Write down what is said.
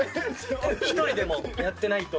一人でもやってないと。